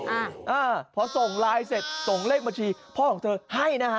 อ่าอ่าพอส่งไลน์เสร็จส่งเลขบัญชีพ่อของเธอให้นะฮะ